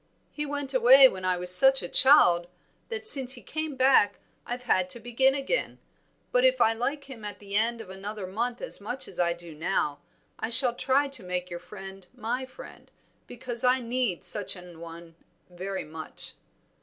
"He went away when I was such a child that since he came back I've had to begin again; but if I like him at the end of another month as much as I do now, I shall try to make your friend my friend, because I need such an one very much."